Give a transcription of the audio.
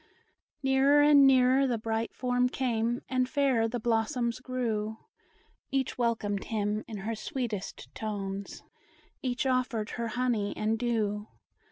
Nearer and nearer the bright form came, And fairer the blossoms grew; Each welcomed him, in her sweetest tones; Each offered her honey and dew.